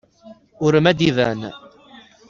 Ɣur-m ad d-iban.